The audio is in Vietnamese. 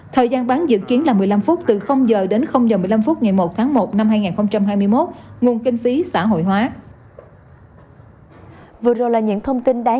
thời gian bán dự kiến là một mươi năm phút từ h đến h một mươi năm phút ngày một tháng một năm hai nghìn hai mươi một nguồn kinh phí xã hội hóa